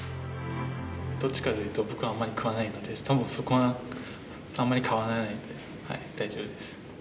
どっちかっていうと僕はあまり食わないので多分そこはあんまり変わらないんで大丈夫です。